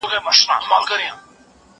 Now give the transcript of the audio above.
ملګري هم سر نه خلاصوي!!